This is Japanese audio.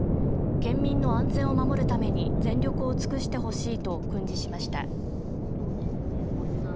県民の安全を守るために全力を尽くしてほしいと訓示しました。